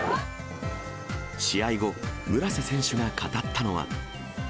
試合後、村瀬選手が語ったのは。